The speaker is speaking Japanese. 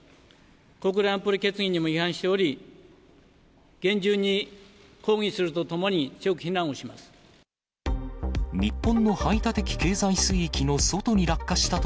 国連安保理決議にも違反しており、厳重に抗議するとともに、強く非難をします。